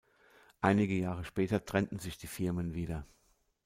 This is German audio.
Einige Jahre später trennten sich die Firmen wieder.